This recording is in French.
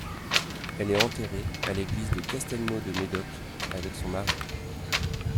Elle est enterrée à l'église de Castelnau-de-Médoc avec son mari.